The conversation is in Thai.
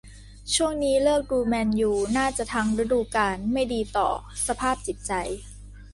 ช่วงนี้เลิกดูแมนยู น่าจะทั้งฤดูกาล ไม่ดีต่อสภาพจิตใจ